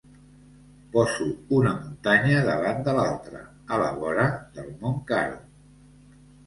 Poso una muntanya davant de l'altra, a la vora del Mont Caro.